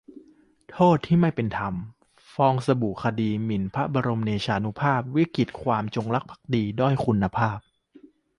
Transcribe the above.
'โทษที่ไม่เป็นธรรม' : ฟองสบู่คดีหมิ่นพระบรมเดชานุภาพ วิกฤตความจงรักภักดีด้อยคุณภาพ